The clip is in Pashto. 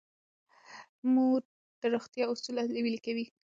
مور د روغتیا اصول عملي کوي.